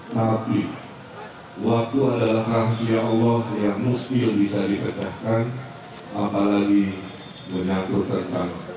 tapi waktu adalah rahasia allah yang mustiul bisa dipecahkan apalagi menyakur tentang